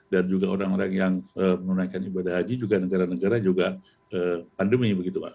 dan juga orang orang yang menunaikan ibadah haji juga negara negara juga pandemi